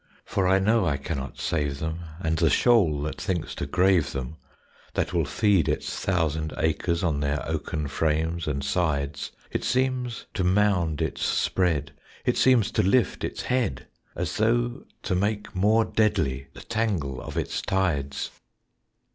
For I know I cannot save them; And the shoal that thinks to grave them That will feed its thousand acres On their oaken frames and sides It seems to mound its spread, It seems to lift its head, As though to make more deadly The tangle of its tides.